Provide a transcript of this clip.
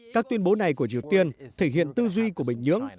các tuyên bố này của triều tiên thể hiện tư duy của bình nhưỡng